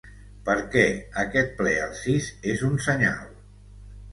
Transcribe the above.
Perquè aquest ple al sis és un senyal.